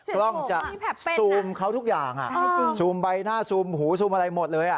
กล้องจะซูมเขาทุกอย่างซูมใบหน้าซูมหูซูมอะไรหมดเลย